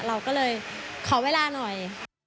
เราก็เลยขอเวลาหน่อย